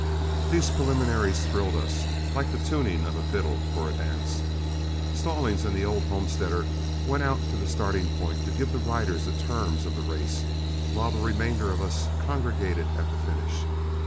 These preliminaries thrilled us like the tuning of a fiddle for a dance. Stallings and the old homesteader went out to the starting point to give the riders the terms of the race, while the remainder of us congregated at the finish.